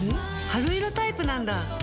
春色タイプなんだ。